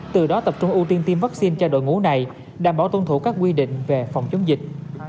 từ đó tập trung ưu tiên tiêm vaccine cho đội ngũ này đảm bảo tuân thủ các quy định về phòng chống dịch